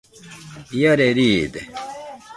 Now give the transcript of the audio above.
Iare riide